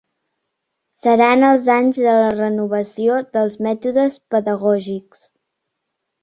Seran els anys de la renovació dels mètodes pedagògics.